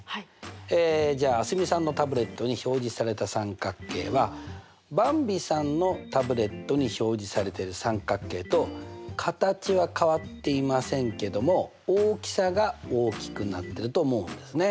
じゃあ蒼澄さんのタブレットに表示された三角形はばんびさんのタブレットに表示されてる三角形と形は変わっていませんけども大きさが大きくなってると思うんですね。